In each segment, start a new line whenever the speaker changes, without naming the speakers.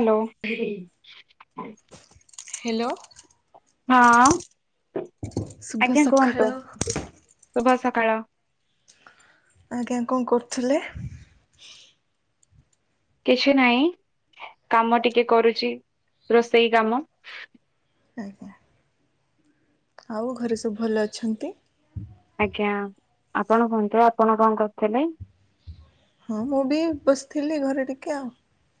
Hello ଉହୁଁ
hello
ହଁ
ଶୁଭ
ଆଜ୍ଞା
ସକାଳ
କୁହନ୍ତୁ ଶୁଭ ସକାଳ।
ଆଜ୍ଞା କଣ କରୁଥିଲେ?
କିଛି ନାହିଁ କାମ ଟିକେ କରୁଛି ରୋଷେଇ କାମ।
ଆଜ୍ଞା ଆଉ ଘରେ ସବୁ ଭଲ ଅଛନ୍ତି?
ଆଜ୍ଞା ଆପଣ କୁହନ୍ତୁ ଆପଣ କଣ କରୁଥିଲେ?
ହଁ ମୁଁ ବି ବସିଥିଲି ଘରେ ଟିକେ ଆଉ।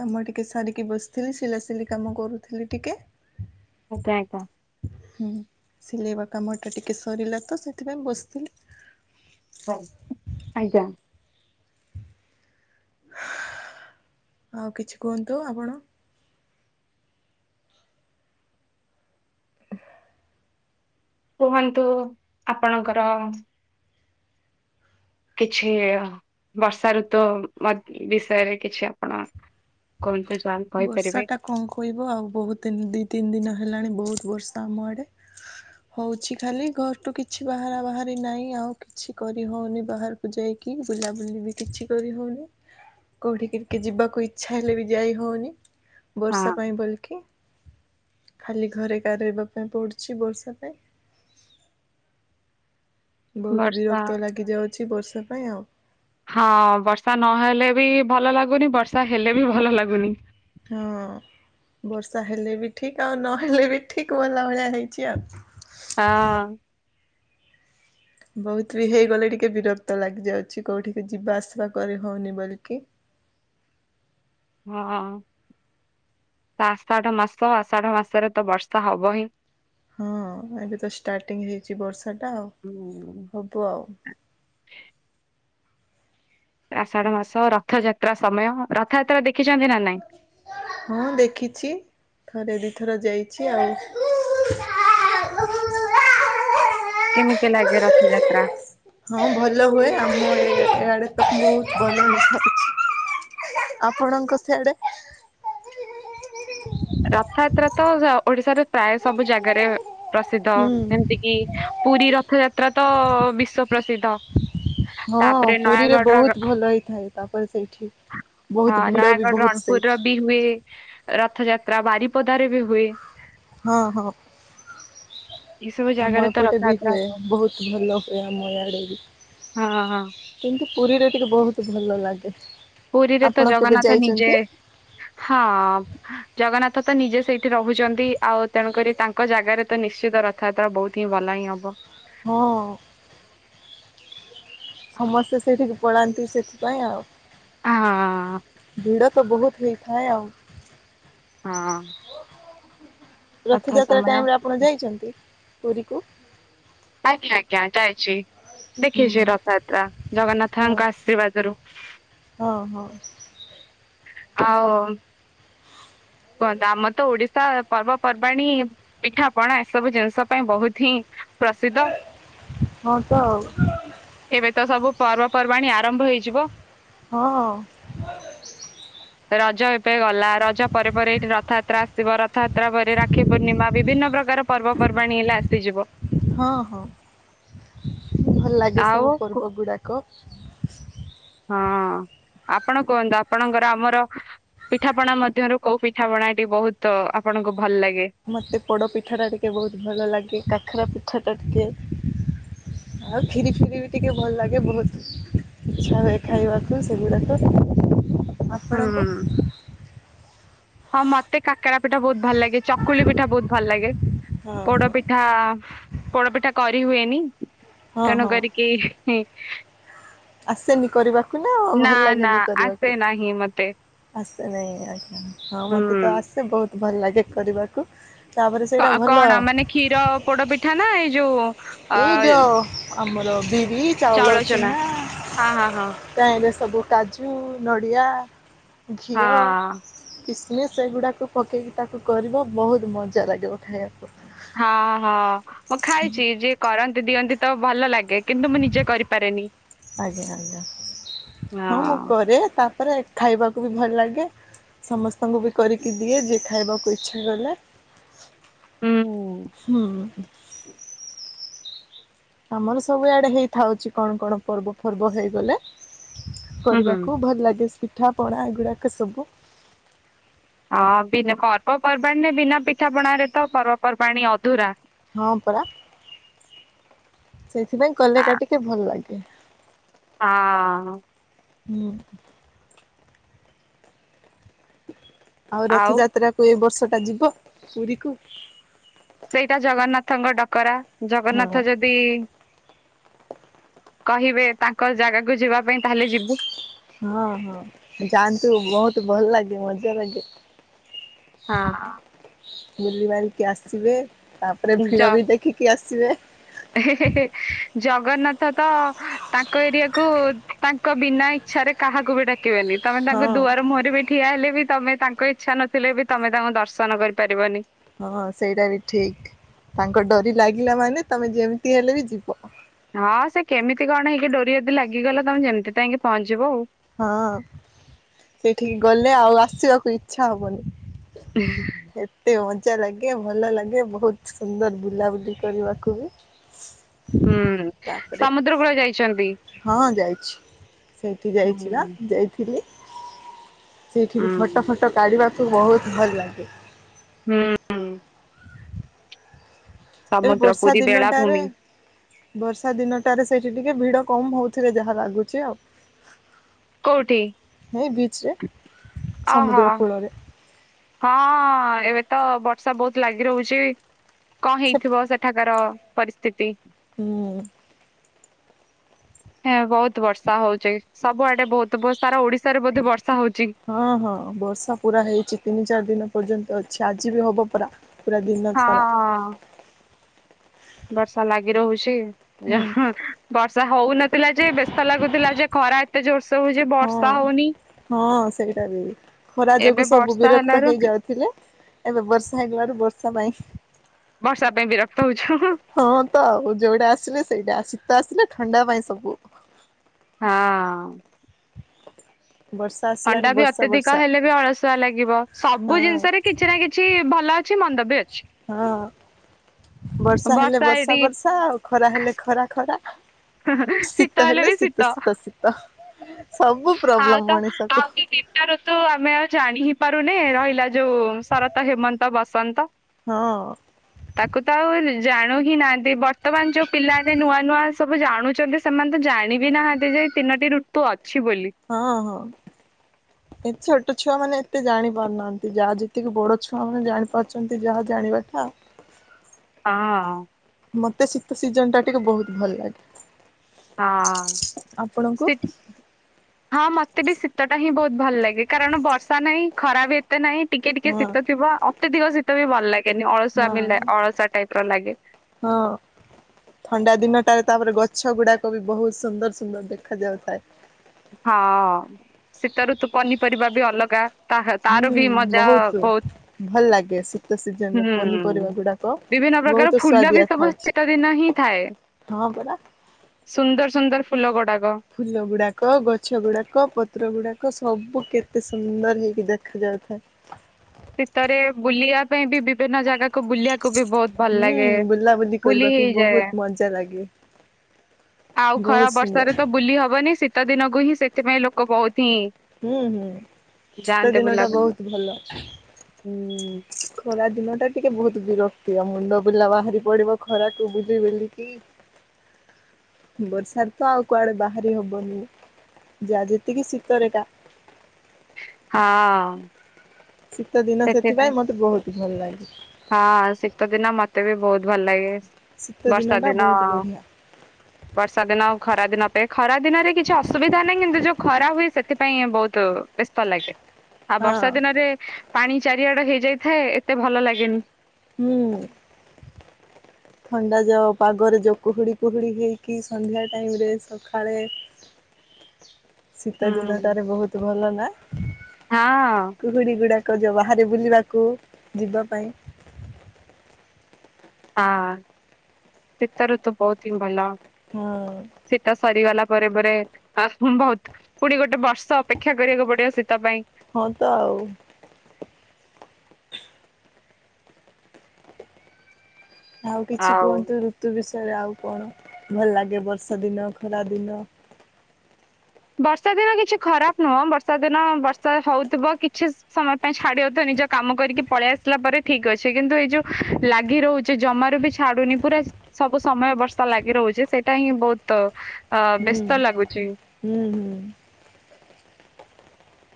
କାମ ଟିକେ ସାରିକି ବସିଥିଲି ସିଲାସିଲି କାମ କରୁଥିଲି ଟିକେ।
ଆଉ କାଇଁ କଣ
ହୁଁ ସିଲେଇବା କାମ ଟା ଟିକେ ସରିଲା ତ ସେଥିପାଇଁ ବସିଥିଲି।
ହ ଆଜ୍ଞା
ଆଉ କିଛି କୁହନ୍ତୁ ଆପଣ?
କୁହନ୍ତୁ ଆପଣଙ୍କର କିଛି ବର୍ଷା ଋତୁ ମ ବିଷୟରେ କିଛି ଆପଣ କୁହନ୍ତୁ ଯା
ବର୍ଷା
କହିପାରିବେ।
ଟା କଣ କହିବ ଆଉ ବହୁତ ତି ଦୁଇ ତିନି ଦିନ ହେଲାଣି ବହୁତ ବର୍ଷା ଆମ ଆଡ଼େ। ହଉଛି ଖାଲି ଘରଠୁ କିଛି ବାହାରା ବାହାରି ନାହିଁ ଆଉ କିଛି କରି ହଉନି ବାହାର କୁ ଯାଇକି ବୁଲାବୁଲି ବି କିଛି କରି ହଉନି କେଉଁଠି ଟିକେ ଯିବାକୁ ଇଚ୍ଛା ହେଲେ ବି ଯାଇ ହଉନି
ହଁ
ବର୍ଷା ପାଇଁ ବୋଲକି। ଖାଲି ଘରେ କା ରଇବା ପାଇଁ ପଡୁଛି ବର୍ଷା ପାଇଁ। ବହୁତ
ବର୍ଷା
ବିରକ୍ତ ଲାଗି ଯାଉଛି ବର୍ଷା ପାଇଁ ଆଉ।
ହଁ ବର୍ଷା ନହେଲେ ବି ଭଲ ଲାଗୁନି ବର୍ଷା ହେଲେ ବି ଭଲ ଲାଗୁନି।
ହଁ ବର୍ଷା ହେଲେ ବି ଠିକ ଆଉ ନହେଲେ ବି ଠିକ ଭଲ ଭଳିଆ ହେଇଛି ଆଉ।
ହଁ
ବହୁତ ବି ହେଇଗଲେ ଟିକେ ବିରକ୍ତ ଲାଗିଯାଉଛି କଉଠିକି ଯିବା ଆସିବା କରି ହେଉନି ବୋଲିକି।
ହଁ ତା ଆଷାଢ଼ ମାସ ଆଷାଢ଼ ମାସରେ ତ ବର୍ଷା ହବ ହିଁ।
ହଁ ଏବେ ତ ଷ୍ଟାର୍ଟିଂ ହେଇଛି ବର୍ଷାଟା ଆଉ
ହୁଁ।
ହବ ଆଉ।
ଆଷାଢ ମାସ ରଥଯାତ୍ରା ସମୟ ରଥଯାତ୍ରା ଦେଖିଛନ୍ତି ନା ନାଇଁ
ହଁ ଦେଖିଛି ଥରେ ଦିଇଥର ଯାଇଛି ଆଉ
କେମିତି ଲାଗେ ରଥଯାତ୍ରା?
ହଁ ଭଲ ହୁଏ ଆମ ଇଆଡ଼େ ତ ବହୁତ ବଢ଼ିଆ [unintelligible] ଆପଣଙ୍କ ସିଆଡେ [unintelligible]
ରଥଯାତ୍ରା ତ ଓଡିଶାରେ ପ୍ରାୟ ସବୁ ଜାଗାରେ ପ୍ରସିଦ୍ଧ
ହୁଁ
ଏମିତି କିି ପୁରୀ ରଥଯାତ୍ରା ତ ବିଶ୍ଵ ପ୍ରସିଦ୍ଧ।
ହଁ
ତାପରେ
ପୁରୀରେ
ନୟାଗଡର
ବହୁତ ଭଲ ହେଇଥାଏ ତାପରେ ସେଇଠି ବହୁତ
ହଁ
ଭିଡ଼ ବି
ନୟାଗଡ଼
ବହୁତ
ରଣପୁର
ସେଇଠି
ର ବି ହୁଏ ରଥଯାତ୍ରା ବାରିପଦାରେ ବି ହୁଏ
ହଁ ହଁ
ଏଇ ସବୁ
ଆମ
ଜାଗାରେ ତ
ଏପଟେ ବି
ରଥଯାତ୍ରା
ହୁଏ ବହୁତ ଭଲ। ସେ ଆମ ଇଆଡେ ବି
ହଁ ହଁ
କିନ୍ତୁ ପୁରୀରେ ଟିକେ ବହୁତ ଭଲ ଲାଗେ।
ପୁରୀରେ ତ
ଆପଣ କେବେ
ଜଗନ୍ନାଥ ନିଜେ
ଯାଇଛନ୍ତି?
ହଁ ଜଗନ୍ନାଥ ତ ନିଜେ ସେଇଠି ରହୁଛନ୍ତି ଆଉ ତେଣୁକରି ତାଙ୍କ ଜାଗାରେ ତ ନିଶ୍ଚିତ ର ଥ ଯାତ୍ରା ବହୁତ ହିଁ ଭଲ ହିଁ ହବ।
ମୋ-ଓ-ଓ ସମସ୍ତେ ସେଇଠିକି ପଳାନ୍ତି ସେଥିପାଇଁ ଆଉ।
ହଁ-ଅ-ଅ-ଅ,
ଭିଡ଼ ତ ବହୁତ ହେଇଥାଏ ଆଉ।
ହଁ-ଅ-ଅ,
ରଥଯାତ୍ରା ଟାଇମ ରେ ଆପଣ
ଆଜ୍ଞା
ଯାଇଛନ୍ତି ପୁରୀ କୁ?
ଆଜ୍ଞା, ଆଜ୍ଞା ଯାଇଛି। ଦେଖିଛି
ହୁଁ
ରଥଯାତ୍ରା
ହଁ
ଜଗନ୍ନାଥଙ୍କ ଆଶୀର୍ବାଦରୁ।
ହଁ, ହଁ।
ଆଉ-ଉ-ଉ କୁହନ୍ତୁ ଆମର ତ ଓଡିଶା ପର୍ବପର୍ବାଣି ପିଠାପଣା ଏସବୁ ଜିନିଷ ପାଇଁ ବହୁତ ହିଁ ପ୍ରସିଦ୍ଧ।
ହଁ ତ ଆଉ
ଏବେ ତ ସବୁ ପର୍ବପର୍ବାଣି ଆରମ୍ଭ ହେଇଯିବ।
ହଁ-ଅ-ଅ,
ରଜ ଏବେେ ଗଲା ର ପରେ ପରେ ଏଇଠି ରଥଯାତ୍ରା ଆସିବ। ରଥଯାତ୍ରା ପରେ ରାକ୍ଷୀ ପୂର୍ଣ୍ଣିମା ବିଭିନ୍ନ ପ୍ରକାର ପର୍ବପର୍ବାଣି ଏଇଲ ଆସି ହେଇଯିବ,
ହଁ ହଁ ଭଲ ଲାଗେ
ଆଉ
ସବୁ
କୁ
ପର୍ବ ଗୁଡ଼ାକ।
ହଁ ଆପଣ କୁହନ୍ତୁ ଆପଣଙ୍କର ଆମର ପିଠାପଣା ମଧ୍ୟରୁ କୋଉ ପିଠା ପଣାଟି ବହୁତ ଆପଣଙ୍କୁ ଭଲ ଲାଗେ?
ମୋତେ ପୋଡ଼ପିଠାଟା ଟିକେ ବହୁତ ଭଲ ଲାଗେ। କାଖରା ପିଠାଟା ଟିକେ ଆଉ ଖିରି ଫିରି ବି ଟିକେ ଭଲ ଲାଗେ ବହୁତ ଇଚ୍ଛା ହୁଏ ଖାଇବାକୁ ସେଗୁଡାକ।
ହୁଁ
ଆପଣଙ୍କୁ?
ହଁ ମତେ କାକେରା ପିଠା ବହୁତ ଭଲ ଲାଗେ, ଚକୁଳି ପିଠା ବହୁତ ଭଲ ଲାଗେ,
ହଁ
ପୋଡ
ହଁ
ପି ଠା-ଆ-ଆ ପୋଡ ପିଠା କରି ହୁଏନି।
ହଁ
ତେଣୁ
ହଁ
କରିକି
ଆସେନି କରିବାକୁ ନା-ଆ-ଆ
ନା
ଭଲ
ନା
ଲାଗେନି
ଆସେ
କରିବାକୁ।
ନାହିଁ ମତେ
ଆସେ ନାଇଁ ଆଜ୍ଞା, ହଁ
ହୁଁ।
ମତେ ତ ଆସେ ବହୁତ ଭଲ ଲାଗେ କରିବାକୁ। ତାପରେ
କ
ସେଇଟା
ଆଉ
ଭଲ
କଣ ମାନେ କ୍ଷୀର ପୋଡ ପିଠା ନା ଏଇ ଯୋଉ-ଉ-ଉ-ଉ
ଏଇ ଯୋଉ ଆମର ବିରି, ଚାଉଳ ଚୁନା
ହଁ ହଁ ହଁ।
ତାଇରେ ସବୁ କାଜୁ, ନଡ଼ିଆ, ଘିଅ
ହଁ।
କିସ୍ମିସ୍ ଏଗୁଡାକୁ ପକେଇକି ତାକୁ କରିବ ବହୁତ ମଜା ଲାଗିବ ଖାଇବାକୁ।
ହଁ ହଁ ମୁଁ ଖାଇଛି ଯିଏ କରନ୍ତି ଦିଅନ୍ତି ତ ଭଲ ଲାଗେ। କିନ୍ତୁ ମୁଁ ନିଜେ କରିପାରେନି।
ଆଜ୍ଞା, ଆଜ୍ଞା, ହଁ ମୁଁ କରେ ତାପରେ ଖାଇବାକୁ ବି ଭଲ ଲାଗେ। ସମସ୍ତଙ୍କୁ ବି କରିକି ଦିଏ ଯିଏ ଖାଇବାକୁ ଇଚ୍ଛା କଲେ।
ହୁଁ
ହୁଁ, ଆମର ସବୁଆଡ଼େ ହେଇଥାଉଛି କଣ କଣ ପର୍ବ ଫର୍ବ ହେଇଗଲେ।
ହୁଁ ହୁଁ।
କରିବାକୁ ଭଲ ଲାଗେ ପିଠାପଣା ଏଗୁଡ଼ାକ ସବୁ।
ହଁ ବିନ୍ ପର୍ବପର୍ବାଣୀରେ ବିନା ପିଠାପଣାରେ ତ ପର୍ବପର୍ବାଣୀ ଅଧୁରା।
ହଁ ପରା, ସେଇଥିପାଇଁ କଲେ ଏକା ଟିକେ ଭଲ ଲାଗେ।
ହଁ-ଅ-ଅ-ଅ
ହୁଁ, ଆଉ ରଥଯାତ୍ରାକୁ ଏ ବର୍ଷ ଟା ଯିବ ପୁରୀକୁ?
ସେଇଟା ଜଗନ୍ନାଥଙ୍କ ଡକରା।
ହଁ
ଜଗନ୍ନାଥ ଯେ ଦି କହିବେ ତାଙ୍କ ଜାଗାକୁ ଯିବା ପାଇଁ ତାହେଲେ ଯିବୁ।
ହଁ, ହଁ, ଯାଆନ୍ତୁ ବହୁତ ଭଲ ଲାଗେ, ମଜା ଲାଗେ।
ହଁ-ଅ-ଅ,
ବୁଲି ବାଲିକି ଆସିବେ। ତାପରେ ଭିଡ ବି ଦେଖିକି ଆସିବେ।
ହେ ହେ ହେ ଜଗନ୍ନାଥ ତ ତାଙ୍କ ଏରିଆକୁୁ ତାଙ୍କ ବିନା ଇ ସାଡେ କାହାକୁ ବି ଡାକିବେନି? ତମେ
ହଁ
ତାଙ୍କ ଦୁଆର ମୁହଁରେ ବି ଠିଆ ହେଲେ ବି ତମେ, ତାଙ୍କ ଇଚ୍ଛା ନଥିଲେ ବି ତମେ ତାଙ୍କୁ ଦର୍ଶନ କରିପାରିବନି।
ହଁ ସେଇଟା ବି ଠିକ୍, ତାଙ୍କ ଡୋରି ଲାଗିଲା ମାନେ ତମେ ଯେମିତି ହେଲେ ବି ଯିବ।
ହଁ ସେ କେମିତି କଣ ହେଇକି ଡୋରି ଯଦି ଲାଗିଗଲା, ତମେ ଯେମିତି ତ ଯାଇକି ପହଞ୍ଚିବ ଆଉ।
ହଁ ସେଇଠିକି ଗଲେ, ଆଉ ଆସିବାକୁ ଇଚ୍ଛା ହବନି।
ହେଁ
ଏତେ ମଜା ଲାଗେ ଭଲ ଲାଗେ, ବହୁତ ସୁନ୍ଦର ବୁଲାବୁଲି କରିବାକୁ ବି।
ହୁଁ
ତାପରେ,
ସମୁଦ୍ର କୂଳ ଯାଇଛନ୍ତି।
ହଁ ଯାଇଚି। ସେଇଠି ଯାଇଛି ବା
ହୁଁ
ଯାଇଥିଲି। ସେଇଠି ବି, ଫଟୋ
ହୁଁ
ଫଟ କାଢ଼ିବାକୁ ବହୁତ ଭଲ ଲାଗେ।
ହୁଁ।
ଏବେ
ସମୁଦ୍ର
ବର୍ଷା
ପୁରୀ
ଦିନଟାରେ
ବେଳାଭୂମି
ବର୍ଷା ଦିନଟାରେ ସେଇଠି ଟିକେ ଭିଡ କମ୍, ହଉଥିବ ଯାହା ଭାବୁଛି ଆଉ।
କୋଉଠି?
ଏ ବିଚରେ ସମୁଦ୍ର କୂଳରେ
ହଁ- ହଁ ଏବେ ତ ବର୍ଷା ବହୁତ ଲାଗି ରହୁଛି। କଣ
ସେ
ହେଇଥିବ, ସେଠାକାର ପରିସ୍ଥିତି?
ହୁଁ।
ହଁ ବହୁତ ବର୍ଷା ହଉଛି ଆଜି, ସବୁଆଡେ ବହୁତ ସାରା ଓଡିଶାରେ ବୋଧେ ବର୍ଷା ହଉଛି?
ହଁ- ହଁ ବର୍ଷା ପୁରା ହେଇଛି, ତିନି ଚାରି ଦିନ ପର୍ଯ୍ୟନ୍ତ ଅଛି। ଆଜି ବି ହବ ପରା ପୁରା ଦିନ ସାରା
ହଁ ବର୍ଷା ଲାଗି ରହୁଛି,
ହୁଁ
ଯାହା ବର୍ଷା ହଉନଥିଲା ଯେ ବ୍ୟସ୍ତ ଲାଗୁଥିଲା, ଯେ ଖରା ଏତେ ଜୋରସେ ହଉଛି ବର୍ଷା
ହଁ
ହଉନି।
ହଁ ସେଇଟା ବି, ଖରା
ଏବେ
ଯୋଗୁଁ ସବୁ
ବର୍ଷା
ବିରକ୍ତ
ହେଲାରୁ
ହେଇଯାଉ ଥିଲେ, ଏବେ ବର୍ଷା ହେଇଗଲାରୁ ବର୍ଷା ପାଇଁ
ବର୍ଷା ପାଇଁ ବିରକ୍ତ ହଉଛୁ।
ହଁ ତ ଆଉ ଯୋଉଟା ଆସିଲେ ସେଇଟା, ଶୀତ ଆସିଲେ ଥଣ୍ଡା ପାଇଁ ସବୁ।
ହଁ।
ବର୍ଷା ଆସିଲାରୁ
ଥଣ୍ଡା ବି
ବର୍ଷା
ଅତ୍ୟଧିକ
ବର୍ଷା
ହେଲେ ବି ଅଳସ କାଦୁଆ ଲାଗିବ,
ହଁ
ସବୁ ଜିନିଷରେ କିଛି ନା କିଛି ଭଲ ଅଛି ମନ୍ଦ ବି ଅଛି।
ହଁ ବର୍ଷା ହେଲେ ବର୍ଷା ବର୍ଷା, ଆଉ ଖରା ହେଲେ ଖରା ଖରା। ଶୀତ ହେଲେ ଶୀତ ଶୀତ ଶୀତ, ସବୁ ପ୍ରୋବ୍ଲେମ ମଣିଷକୁ।
ବର୍ଷା ଋତୁ ଆମେ ଆଉ ଜାଣି ହି ପାରୁନେ, ରହିଲା ଯୋଉ ଶରତ, ହେମନ୍ତ, ବସନ୍ତ।
ହଁ
ତାକୁ ତ ଆଉ ଜାଣୁ ହିଁ ନାହାନ୍ତି, ବର୍ତ୍ତମାନ ଯୋଉ ପିଲା ନୂଆ ନୂଆ ସବୁ ଜାଣୁଛନ୍ତି ସେମାନେ ତ ଜାଣିବି ନାହାନ୍ତି ଯେ, ତିନୋଟି ଋତୁ ଅଛି ବୋଲି।
ହଁ- ହଁ। ଏ ଛୋଟ ଛୁଆମାନେ ଏତେ ଜାଣିପାରୁନାହାନ୍ତି, ଯାହା ଯେତିକି ବଡ଼ ଛୁଆମାନେ ଜାଣିପାରୁଛନ୍ତି ଯାହା ଜାଣିବାଟା।
ହଁ- ହଁ।
ମତେ ଶୀତ ସିଜିନ୍ ଟା ଟିକେ ବହୁତ ଭଲ ଲାଗେ।
ହଁ
ଆପଣଙ୍କୁ
ସେଠି ହଁ ମତେ ବି ଶୀତ ଟା ହିଁ ବହୁତ ଭଲ ଲାଗେ, କାରଣ ବର୍ଷା ନାହିଁ ଖରା ବି ଏ ତେ ନାହିଁ, ଟିକେ ଟିକେ
ହଁ
ଶୀତ ଥିବ ଅତ୍ୟଧିକ ଶୀତ ବି ଭଲ ଲାଗେନି। ଯେମିତି
ହଁ
ଅଳସୁଆମି ଅଳସୁଆ ଟାଇପର ଲାଗେ।
ହଁ। ଥଣ୍ଡା ଦିନଟାରେ, ତାପରେ ଗଛ ଗୁଡାକ ବି ବହୁତ ସୁନ୍ଦର ସୁନ୍ଦର ଦେଖାଯାଉଥାଏ।
ହଁ, ଶୀତ ଋତୁ ପନିପରିବା ବି ଅଲଗା। ତାହା ତାର ବି ମଜା ବହୁତ,
ଭଲ ଲାଗେ ଶୀତ ସିଜନରେ
ହୁଁ।
ପନିପରିବା ଗୁଡାକ
ବିଭିନ୍ନ ପ୍ରକାର
ବହୁତ
ଫୁଲ ବି
ସୁଆଦିଆ
ସବୁ,
ଥାଉଛି
ଶୀତ ଦିନ ହିଁ ଥାଏ।
ହଁ ପରା।
ସୁନ୍ଦର ସୁନ୍ଦର ଫୁଲ ଗୁଡାକ।
ଫୁଲ ଗୁଡ଼ାକ, ଗଛ ଗୁଡ଼ାକ, ପତ୍ର ଗୁଡ଼ାକ ସବୁ କେତେ ସୁନ୍ଦର ହେଇକି ଦେଖାଯାଉଥାଏ।
ଶୀତରେ ବୁଲିବା ପାଇଁ ବି ବିଭିନ୍ନ ଜାଗାକୁ ବୁଲିଆ କୁ ବି ବହୁତ ଭଲ
ହୁଁ
ଲାଗେ ବୁଲି ହେଇଯାଏ।
ଜା ଲାଗେ।
ଆଉ ଖରା
ବହୁତ ସୁନ୍ଦର
ବର୍ଷାରେ ତ ବୁଲି ହବନି ଶୀତ ଦିନକୁ ହିଁ ସେଥିପାଇଁ ଲୋକ ବହୁତ ହି
ହୁଁ, ହୁଁ ଶୀତ ଦିନ ଟା
ବୁଲାବୁଲି
ବହୁତ ଭଲ।
ହୁଁ।
ଖରା ଦିନ ଟା ଟିକେ ବହୁତ ବିରକ୍ତିଆ ମୁଣ୍ଡ ବୁଲା ବାହାରି ପଡିବ ଖରାକୁୁ ବୁଲି ବୁଲିକି। ବର୍ଷାରେ ତ ଆଉ କୁଆଡେ ବାହାରି ହବନି। ଯାହା ଯେତିକି ଶୀତରେ କା।
ହଁ।
ଶୀତ ଦିନ ସେଥିପାଇଁ ମୋତେ ବହୁତ ଭଲ ଲାଗେ।
ହଁ ଶୀତ ଦିନ ମୋତେ ବି ବହୁତ ଭଲ ଲାଗେ।
ଶୀତ
ବର୍ଷା
ଟା
ଦିନ
ବହୁତ ବଢିଆ।
ବର୍ଷା ଦିନ ଆଉ ଖରା ଦିନ ପାଇଁ ଖରା ଦିନରେ କିଛି ଅସୁବିଧା ନାହିଁ କିନ୍ତୁ ଯୋଉ ଖରା ହୁଏ ସେଥିପାଇଁ ଏ ବହୁତୁ ବ୍ୟସ୍ତ ତ ଲାଗେ, ଆଉ
ହଁ
ବର୍ଷା ଦିନରେ ପାଣି ଚାରିଆଡ ହେଇଯାଇଥାଏ ଏତେ ଭଲ ଲାଗେନି।
ହୁଁ। ଥଣ୍ଡା ଯୋ ପାଗରେ ଯୋଉ କୁହୁଡ଼ି କୁହୁଡ଼ି ହେଇକି ସନ୍ଧ୍ୟା ଟାଇମ୍ ରେ ସଖାଳେ ଶୀତ ଦିନ
ହୁଁ।
ଟାରେ ବହୁତ ଭଲ ନା?
ହଁ
ଗୁଡି ଗୁଡାକ ଯୋଉ ବାହାରେ ବୁଲିବାକୁ ଯିବା ପାଇଁ।
ହଁ ଶୀତ ଋତୁ ବହୁତ ହିଁ ଭଲ।
ହଁ।
ଶୀତ ସରିଗଲା ପରେ ପରେ ଆହ୍ ବହୁତ ପୁଣି ଗୋଟେ ବର୍ଷ ଅପେକ୍ଷା କରିବାକୁ ପଡିବ ଶୀତ ପାଇଁ।
ହଁ ତ ଆଉ। ଆଉ କିଛି
ଆଉ
କୁହନ୍ତୁ ଋତୁ ବିଷୟରେ ଆଉ କଣ ଭଲ ଲାଗେ ବର୍ଷା ଦିନ ଖରା ଦିନ?
ବର୍ଷା ଦିନ କିଛି ଖରାପ ନୁହଁ ବର୍ଷା ଦିନ ବର୍ଷା ହଉଥିବ କିଛି ସମୟ ତା ଛାଡି ଯାଉଥିବ ନିଜ କାମ କରିକି ପଳେଇ ଆସିଲା ପରେ ଠିକ ଅଛି। କିନ୍ତୁ ଏଇ ଯୋଉ ଲାଗି ରହୁଚି ଜମାରୁ ବି ଛା ଛାଡ଼ୁନି ପୁରା ସବୁ ସମୟ ବର୍ଷା ଲାଗି ରହୁଛି ସେଇଟା ହିଁ ବହୁତ ଅ,
ହୁଁ
ବ୍ୟସ୍ତ ଲାଗୁଛି।
ହୁଁ, ହୁଁ।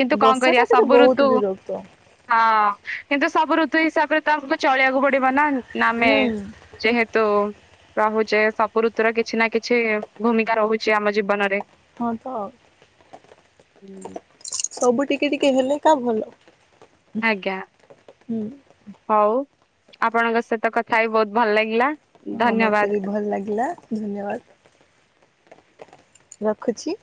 କିନ୍ତୁ କଣ
ବର୍ଷା
କରିବା
ଟା ଟିକେ
ସବୁ ଋତୁ
ବହୁତ ବିରକ୍ତ
ହଁ କିନ୍ତୁ ସବୁ ଋତୁ ହିସାବରେ ତ ଆମକୁ ଚଳିବାକୁ ପଡିବ ନା। ନନେ
ହୁଁ
ଯେହେତୁ ରହୁଚେ ସବୁ ଋତୁର କିଛି ନା କିଛି ଭୂମିକା ରହୁଛି ଆମ ଜୀବନରେ।
ହଁ ତ ଆଉ।
ହୁଁ।
ସବୁ ଟିକେ ଟିକେ ହେଲେ କା ଭଲ।
ଆଜ୍ଞା,
ହୁଁ
ହଉ ଆପଣଙ୍କ ସହିତ କଥା ହେଇ ବହୁତ ଭଲ ଲାଗିଲା।
ହଁ
ଧନ୍ୟବାଦ।
ମୋତେ ବି ଭଲ ଲାଗିଲା ଧନ୍ୟବାଦ। ରଖୁଛି।